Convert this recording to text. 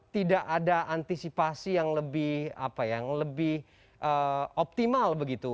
tidak ada antisipasi yang lebih optimal begitu